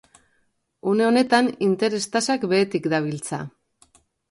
Une honetan, interes-tasak behetik dabiltza.